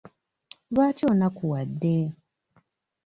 Lwaki onakuwadde?